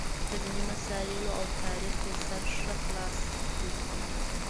په دیني مسایلو او تاریخ یې سر ښه خلاص دی.